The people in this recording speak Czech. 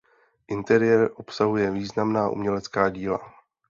Interiér obsahuje významná umělecká díla.